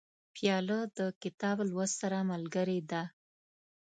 پیاله د کتاب لوست سره ملګرې ده.